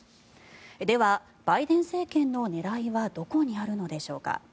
では、バイデン政権の狙いはどこにあるのでしょうか。